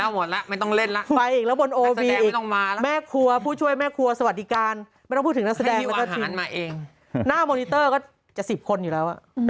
หมดแล้วหมดแล้วไม่ต้องเล่นแล้ว